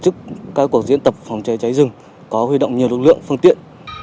trước các cuộc diễn tập phòng cháy cháy rừng có huy động nhiều lực lượng phương tiện